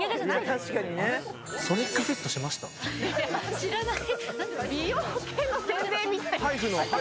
知らない。